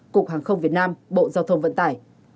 cục hàng không việt nam bộ giao thông vận tải